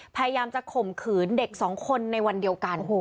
พยายามจะข่มขืนเด็กสองคนในวันเดียวกัน